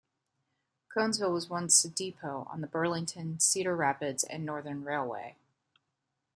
Conesville was once a depot on the Burlington, Cedar Rapids and Northern Railway.